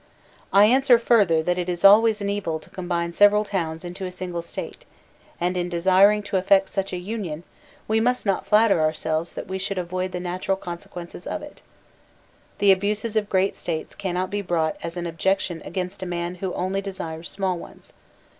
I answer, further, that it is always an evil to combine several towns into a single State, and, in desiring to effect such a union, we must not flatter ourselves that we shall avoid the natural inconveniences of it. The abuses of great States cannot be brought as an objection against a man who only desires small ones.